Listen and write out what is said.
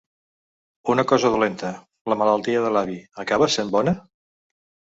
Una cosa dolenta, la malaltia de l’avi, acaba essent bona?